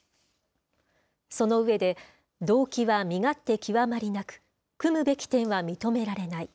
その上で、動機は身勝手極まりなく、酌むべき点は認められない。